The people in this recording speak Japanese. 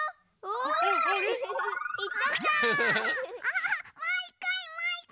おい！